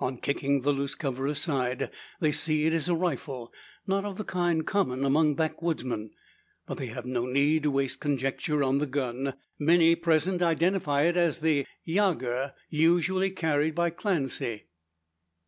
On kicking the loose cover aside, they see it is a rifle not of the kind common among backwoodsmen. But they have no need to waste conjecture on the gun. Many present identify it as the yager usually carried by Clancy.